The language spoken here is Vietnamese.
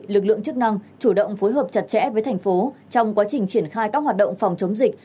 lực lượng chức năng chủ động phối hợp chặt chẽ với thành phố trong quá trình triển khai các hoạt động phòng chống dịch